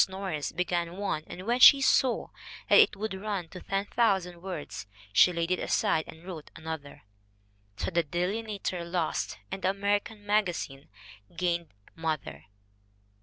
Norris began one, and when she saw that it would run to 10,000 words, she laid it aside and wrote another. So the Delineator lost and the American Magazine gained Mother.